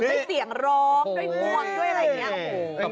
ได้เสียงร้องได้ห่วงด้วยอะไรอย่างเนี้ย